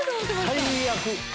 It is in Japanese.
最悪。